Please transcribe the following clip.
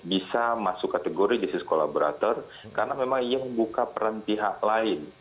bisa masuk kategori justice collaborator karena memang yang membuka peran pihak lain